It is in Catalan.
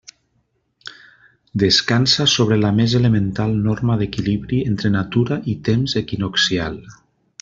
Descansa sobre la més elemental norma d'equilibri entre natura i temps equinoccial.